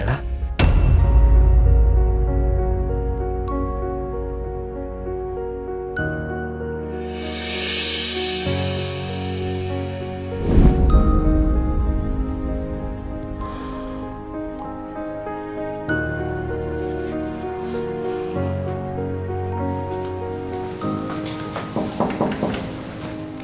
apa yang kamu lakukan